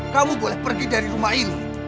kamu boleh pergi dari rumah ini